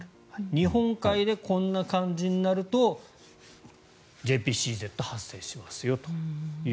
日本海でこんな感じになるとＪＰＣＺ発生しますよという。